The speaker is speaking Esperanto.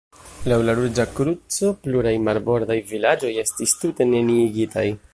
Laŭ la Ruĝa Kruco, pluraj marbordaj vilaĝoj estis tute neniigitaj.